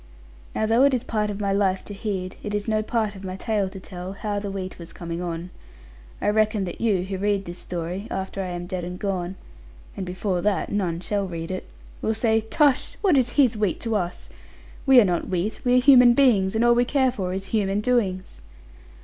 Now though it is part of my life to heed, it is no part of my tale to tell, how the wheat was coming on. I reckon that you, who read this story, after I am dead and gone (and before that none shall read it), will say, 'Tush! What is his wheat to us? We are not wheat: we are human beings: and all we care for is human doings.'